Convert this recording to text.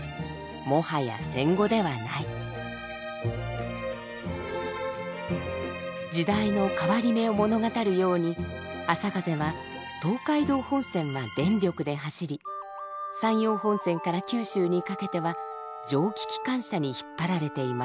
「もはや戦後ではない」。時代の変わり目を物語るようにあさかぜは東海道本線は電力で走り山陽本線から九州にかけては蒸気機関車に引っ張られていました。